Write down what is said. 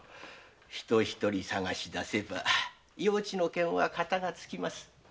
人ひとり捜し出せば用地の件はカタがつきます。